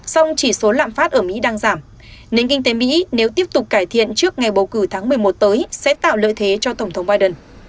sau đó chỉ số lãm phát ở mỹ đang giảm nên kinh tế mỹ nếu tiếp tục cải thiện trước ngày bầu cử tháng một mươi một tới sẽ tạo lợi thế cho tổng thống biden